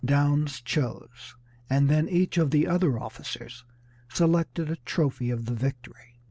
Downes chose, and then each of the other officers selected a trophy of the victory.